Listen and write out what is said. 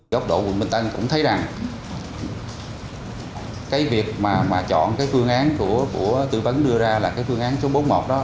góc độ quận bình tân cũng thấy rằng cái việc mà chọn cái phương án của tư vấn đưa ra là cái phương án số bốn mươi một đó